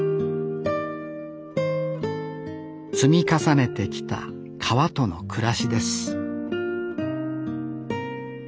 積み重ねてきた川との暮らしです